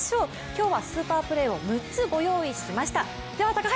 今日はスーパープレーを６つご用意しました！